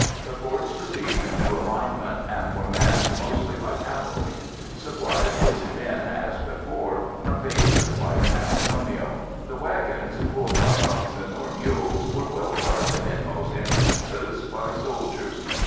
The forts received a new alignment and were manned mostly by cavalry. Supplies were sent in as before, from bases like San Antonio. The wagons, pulled by oxen or mules, were well guarded in most instances by soldiers.